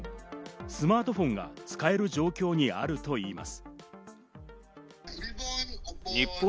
スマートフォンが使える状況にあるといいます。